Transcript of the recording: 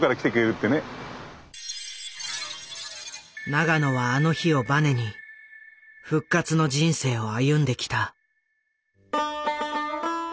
永野はあの日をバネに復活の人生を歩んできた。